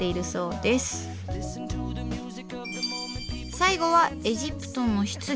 最後はエジプトの棺。